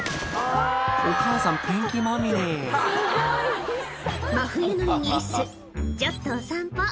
お母さんペンキまみれ真冬のイギリス「ちょっとお散歩」